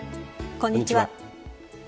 こんにちは。